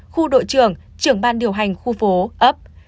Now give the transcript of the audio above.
khu đội trưởng trưởng ban điều hành khu phố ấp